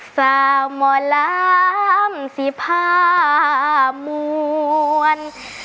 สาวหมอลำสิพามวล